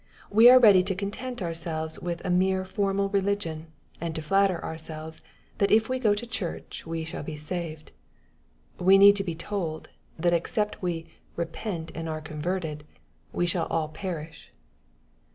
We are ready to content ourselves with a mere formal religion, and to flatter ourselves, that if we go to church we shall be saved. We need to be told, that except we " repent and are converted" we shall all perish.